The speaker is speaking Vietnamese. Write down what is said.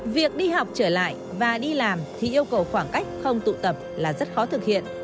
việc đi học trở lại và đi làm thì yêu cầu khoảng cách không tụ tập là rất khó thực hiện